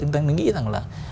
tôi nghĩ rằng là